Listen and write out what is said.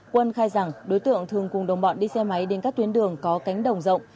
quân khai rằng đối tượng thường cùng đồng bọn đi xe máy đến các tuyến đường có cánh đồng rộng